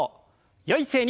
よい姿勢に。